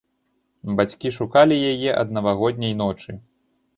Бацькі шукалі яе ад навагодняй ночы.